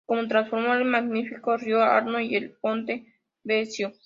Como trasfondo, el magnífico río Arno y el Ponte Vecchio.